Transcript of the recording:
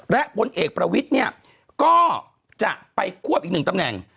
และพลเอกประวิทย์เนี่ยก็จะไปควบอีกหนึ่งตำแหน่ง